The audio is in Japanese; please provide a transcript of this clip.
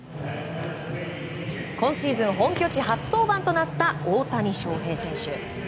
今シーズン本拠地初登板となった大谷翔平選手。